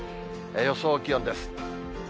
予想気温です。